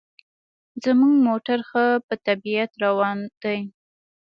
زموږ موټر ښه په طبیعت روان دی.